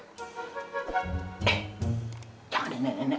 eh jangan deh nenek nenek